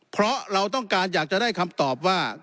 เพราะเราต้องการอยากจะได้คำตอบว่า